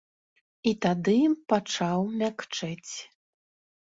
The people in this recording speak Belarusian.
І тады пачаў мякчэць.